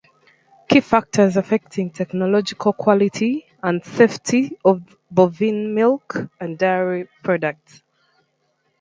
Key factors affecting technological quality and safety of bovine milk and dairy products.